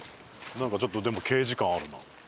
なんかちょっとでも刑事感あるなあ。